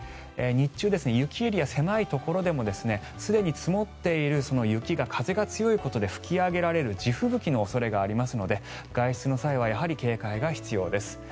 日中、雪エリア狭いところでもすでに積もっている雪が風が強いことで吹き上げられる地吹雪の恐れがありますので外出の際は警戒が必要です。